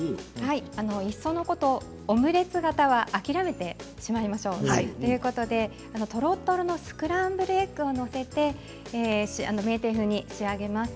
いっそのことオムレツ型は諦めてしまいましょうということでとろとろのスクランブルエッグを載せて名店風に仕上げます。